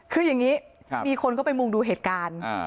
คืออย่างนี้มีคนเข้าไปมุ่งดูเหตุการณ์